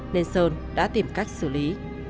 nên sơn đã tìm cách xử lý